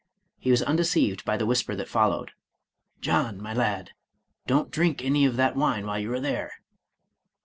He was unde ceived by the whisper that followed, —" John, my lad, don't drink any of that wine while you are there."